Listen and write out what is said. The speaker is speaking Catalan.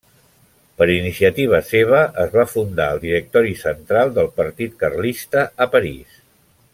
Per iniciativa seva es va fundar el Directori Central del Partit Carlista a París.